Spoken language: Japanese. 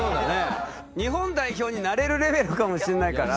日本代表になれるレベルかもしんないから。